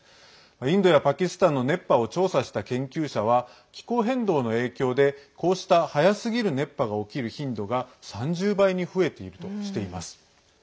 インドやパキスタンの熱波を調査した研究者は気候変動の影響でこうした早すぎる熱波が起きる頻度が３０倍に増えているとしています。